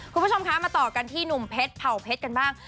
คุณผู้ชมคะมาต่อกันที่หนุ่มเพชรเผ่าเพชรกันบ้าง